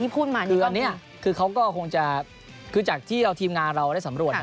คืออันนี้คือเขาก็คงจะคือจากที่ทีมงานเราได้สำรวจ